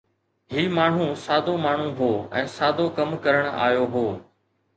هي ماڻهو سادو ماڻهو هو ۽ سادو ڪم ڪرڻ آيو هو